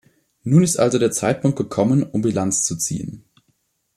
Nun ist also der Zeitpunkt gekommen, um Bilanz zu ziehen.